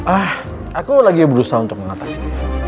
ah aku lagi berusaha untuk mengatasinya